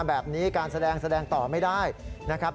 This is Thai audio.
แบบนี้การแสดงแสดงต่อไม่ได้นะครับ